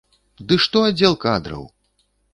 Ды што аддзел кадраў!